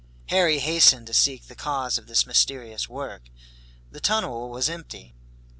Harry hastened to seek the cause of this mysterious work. The tunnel was empty.